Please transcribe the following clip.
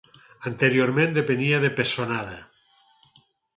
Anteriorment, depenia de Pessonada.